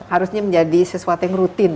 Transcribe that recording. harusnya menjadi sesuatu yang rutin